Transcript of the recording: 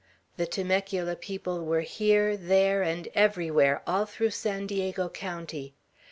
The Temecula people were here, there, and everywhere, all through San Diego County.